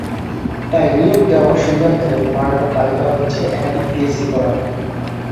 তাই নিয়োগ দেওয়ার সুবিধার্থে বারবার দাবি করা হয়েছে একাধিক পিএসসি করার।